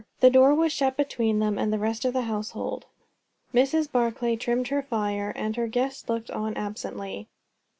The door was shut between them and the rest of the household. Mrs. Barclay trimmed her fire, and her guest looked on absently.